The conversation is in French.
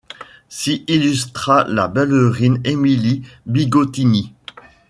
S’y illustra la ballerine Émilie Bigottini.